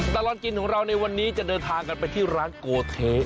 ตลอดกินของเราในวันนี้จะเดินทางกันไปที่ร้านโกเท